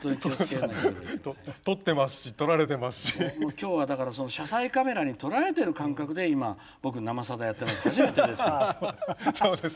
今日はだから車載カメラに撮られてる感覚で今僕「生さだ」やってます。